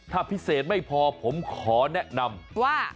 ถ้าพิเศษไม่พอผมขอแนะนำว่า